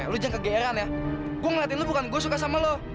lu jangan kegeeran ya gue ngeliatin lu bukan gue suka sama lo